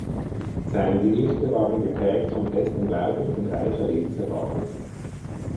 Seine Gedichte waren geprägt von festem Glauben und reicher Lebenserfahrung.